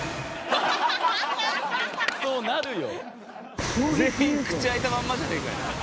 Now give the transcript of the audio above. そうなるよ。